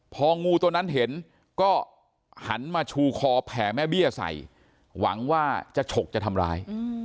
พองูตัวนั้นเห็นก็หันมาชูคอแผ่แม่เบี้ยใส่หวังว่าจะฉกจะทำร้าย